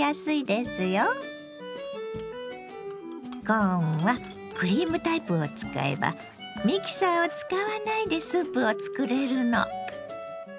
コーンはクリームタイプを使えばミキサーを使わないでスープを作れるの。